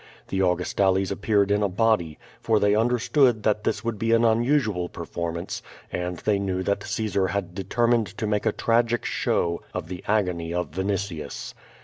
The Au gustales appeared in a body, for they understood that this would be an unusual performance, and they knew that Caesar had determined to make a tragic show of the agony of Vinitius.